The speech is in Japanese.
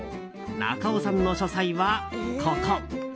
中尾さんの書斎はここ。